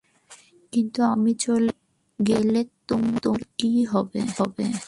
কিন্তু আমি চলে গেলে, তোমার কী হবে?